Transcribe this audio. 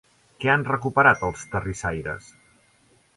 Què han recuperat els terrissaires?